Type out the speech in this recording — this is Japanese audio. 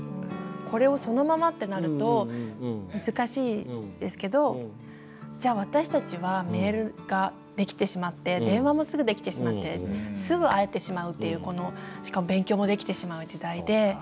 これをそのままってなると難しいですけどじゃあ私たちはメールができてしまって電話もすぐできてしまってすぐ会えてしまうっていうこのしかも勉強もできてしまう時代で。